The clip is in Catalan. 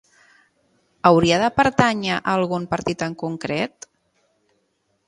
Hauria de pertànyer a algun partit en concret?